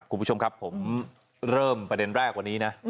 คุณผู้ชมครับผมเริ่มประเด็นแรกวันนี้นะ